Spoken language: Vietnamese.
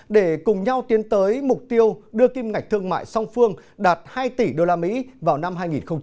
để cùng nhau tiến tới mục tiêu đưa kim ngạch thương mại song phương đạt hai tỷ usd vào năm hai nghìn hai mươi